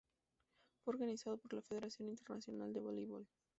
Fue organizado por la Federación Internacional de Voleibol.